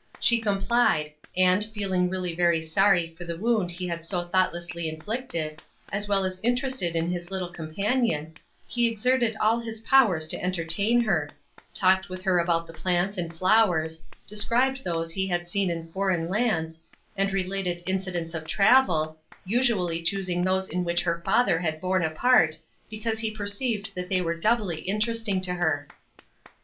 She complied, and, feeling really very sorry for the wound he had so thoughtlessly inflicted, as well as interested in his little companion, he exerted all his powers to entertain her talked with her about the plants and flowers, described those he had seen in foreign lands, and related incidents of travel, usually choosing those in which her father had borne a part, because he perceived that they were doubly interesting to her.